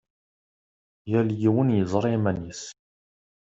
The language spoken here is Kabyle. Yal yiwen yeẓra iman-is!